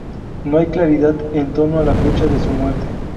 No hay claridad en torno a la fecha de su muerte.